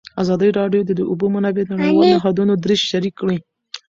ازادي راډیو د د اوبو منابع د نړیوالو نهادونو دریځ شریک کړی.